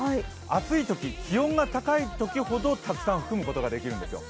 暑いとき、気温が高いときほどたくさん含むことができるんですよ。